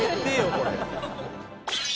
これ。